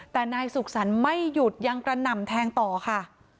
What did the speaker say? แต่นายสุขสรรค์ไม่หยุดยังกระหน่ำแทงต่อค่ะ